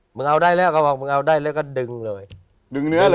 บิ่งเอาได้แล้วก็ดึงเลยดึงเนื้อเลย